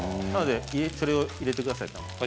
それを入れてください。